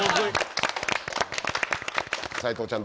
齊藤ちゃん